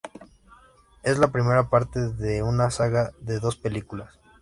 Es la primera parte de una saga de dos películas.